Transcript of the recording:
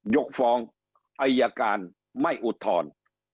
ยกฟองอัยการไม่อุดทอน